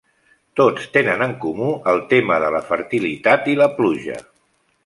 Tots tenen en comú el tema de la fertilitat i la pluja.